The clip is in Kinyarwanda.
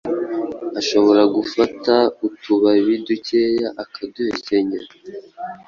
ashobora gufata utubabi dukeya akaduhekenya,